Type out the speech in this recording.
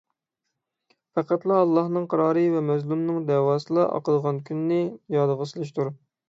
پەقەتلا ئاللاھنىڭ قارارى ۋە مەزلۇمنىڭ دەۋاسىلا ئاقىدىغان كۈننى يادىغا سېلىشتۇر.